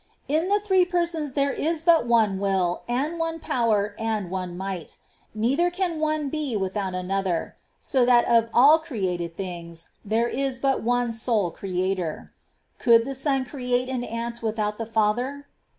In the Three Persons there is but one will and one power and one might ; neither can One be without Another : so that of all created things there is but one sole Creator. Could the Son create an ant without the Father